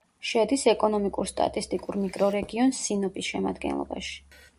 შედის ეკონომიკურ-სტატისტიკურ მიკრორეგიონ სინოპის შემადგენლობაში.